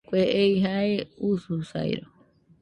Kue ei jae ususairo